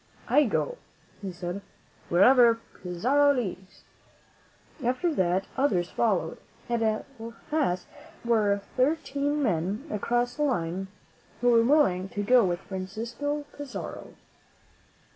"I go," he said, "wherever Pizarro leads." After that others followed. At last there were thirteen men across the line who were willing to go with Francisco Pizarro.